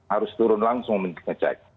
harus turun langsung mengecek